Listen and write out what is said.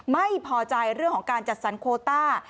ไม่พอใจเรื่องของการจัดสรรโคต้า